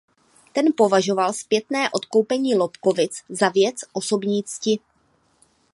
Ten považoval zpětné odkoupení Lobkovic za věc osobní cti.